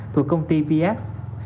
thuộc công ty vx